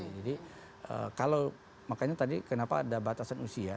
jadi kalau makanya tadi kenapa ada batasan usia